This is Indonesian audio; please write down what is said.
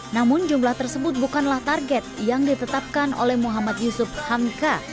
namun jumlah tersebut bukanlah target yang ditetapkan oleh muhammad yusuf hamka